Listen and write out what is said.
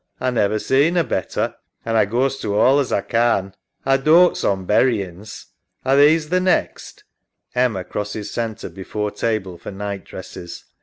A never seen a better, an' A goes to all as A can. (Rises) A dotes on buryin's. Are these the next.? [Crosses centre before table for night dresses.